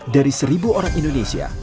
dari seribu orang indonesia